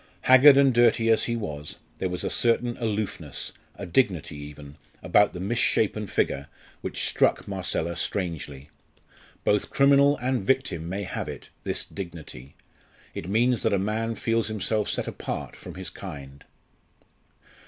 Haggard and dirty as he was, there was a certain aloofness, a dignity even, about the misshapen figure which struck Marcella strangely. Both criminal and victim may have it this dignity. It means that a man feels himself set apart from his kind.